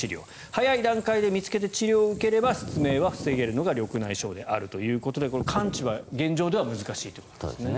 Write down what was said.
早い段階で見つけて治療を受ければ失明は防げるのが緑内障であるということで完治は現状では難しいということですね。